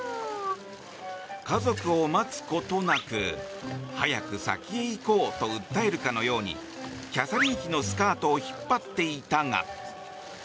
家族を待つことなく、早く先へ行こうと訴えるかのようにキャサリン妃のスカートを引っ張っていたが。